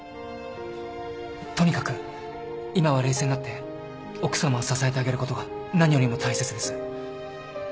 とにかく今は冷静になって奥さまを支えてあげることが何よりも大切です。